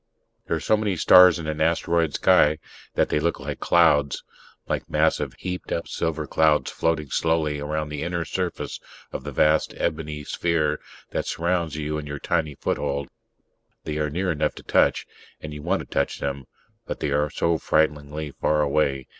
There are so many stars in an asteroid sky that they look like clouds; like massive, heaped up silver clouds floating slowly around the inner surface of the vast ebony sphere that surrounds you and your tiny foothold. They are near enough to touch, and you want to touch them, but they are so frighteningly far away